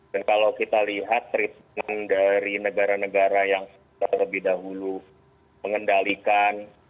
dan kalau kita lihat risiko dari negara negara yang lebih dahulu mengendalikan